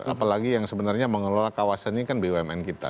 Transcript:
apalagi yang sebenarnya mengelola kawasan ini kan bumn kita